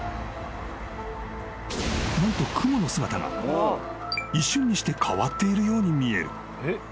［何と雲の姿が一瞬にして変わっているように見える］